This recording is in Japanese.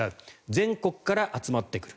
全国から集まってくる。